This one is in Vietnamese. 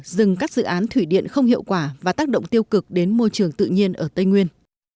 dừng các dự án thủy điện không hiệu quả và tác động tiêu cực đến môi trường tự nhiên ở tây nguyên